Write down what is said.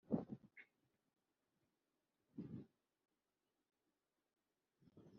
imigani ya salomo umwana w’umunyabwenge anezeza se, ariko umwana upfapfana ababaza nyina